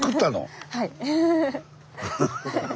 はい。